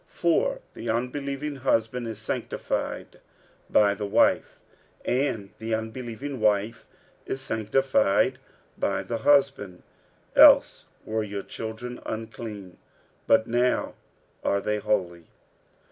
46:007:014 For the unbelieving husband is sanctified by the wife, and the unbelieving wife is sanctified by the husband: else were your children unclean; but now are they holy.